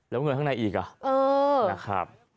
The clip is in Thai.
แล้วเงินข้างในอีกเหรอ